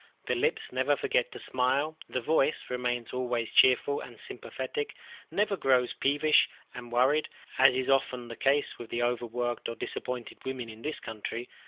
The lips never forget to smile; the voice remains always cheerful and sympathetic, never grows peevish and worried, as is too often the case with overworked or disappointed women in this country.